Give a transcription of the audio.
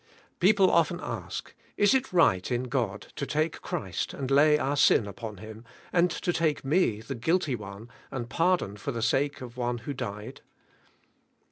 People often ask. Is it right in God to take Christ and lay our sin upon Him, and to take me, the guilty one, and pardon for the sake of One who died.